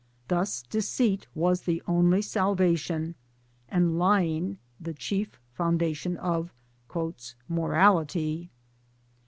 Thus deceit was the only salvation, and lying the chief foundation of " Morality."